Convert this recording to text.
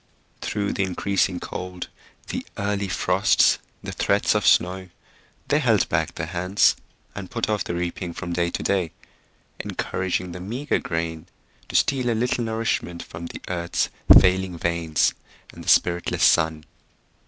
Through the increasing cold, the early frosts, the threats of snow, they held back their hands and put off the reaping from day to day, encouraging the meager grain to steal a little nourishment from the earth's failing veins and the spiritless sun.